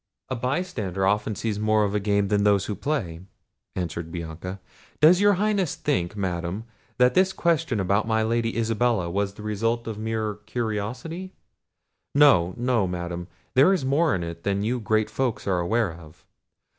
"A bystander often sees more of the game than those that play," answered Bianca. "Does your Highness think, Madam, that this question about my Lady Isabella was the result of mere curiosity? No, no, Madam, there is more in it than you great folks are aware of.